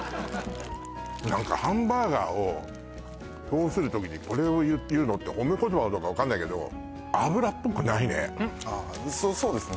何かハンバーガーを評する時でこれを言うのって褒め言葉かどうか分かんないけどああそうですね